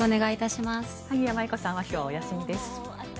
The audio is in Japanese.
萩谷麻衣子さんは今日、お休みです。